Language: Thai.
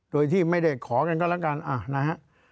โดยที่ไม่ได้ขอกันก็แล้วกันนะฮะ